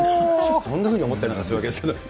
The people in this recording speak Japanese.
そんなふうに思ったりなんかするわけですけれども。